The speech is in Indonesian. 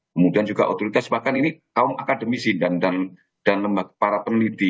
kemudian juga otoritas bahkan ini kaum akademisi dan para peneliti